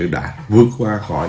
đã vượt qua khỏi